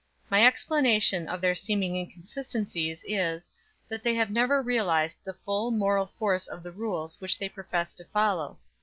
My explanation of their seeming inconsistencies is, that they have never realized the full moral force of the rules which they profess to follow.